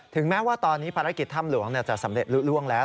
แม้ว่าตอนนี้ภารกิจถ้ำหลวงจะสำเร็จลุล่วงแล้ว